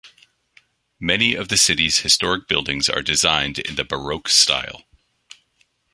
Many of the city's historic buildings are designed in the Baroque style.